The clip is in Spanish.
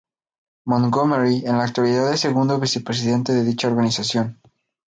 Montgomery en la actualidad es segundo vicepresidente de dicha organización.